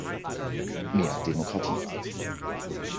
Mehr Demokratie.